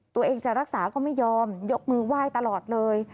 ตัวเองจะรักษาก็ไม่ยอมยกมือไหว้ตลอดเลย